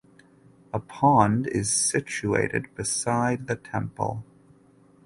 A pond is situated beside the temple.